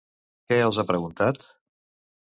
Què els ha preguntat?